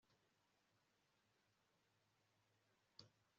biganiro batanga mu nama zitegurwa